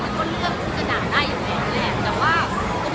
รายละเอียดงานอะไรอย่างเงี้ยขอบคุณสมมุตินะขอบคุณสมมุติ